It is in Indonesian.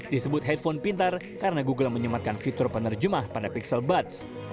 disebut handphone pintar karena google menyematkan fitur penerjemah pada pixel buds